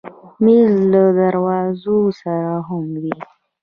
مېز له درازونو سره هم وي.